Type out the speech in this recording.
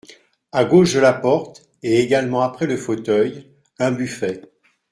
À gauche de la porte et également après le fauteuil, un buffet.